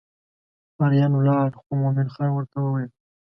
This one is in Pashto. اریان ولاړ خو مومن خان ورته وویل.